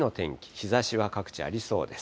日ざしは各地ありそうです。